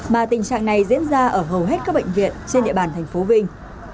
mà tình trạng này diễn ra ở hầu hết các bệnh viện trên địa bàn tp vinh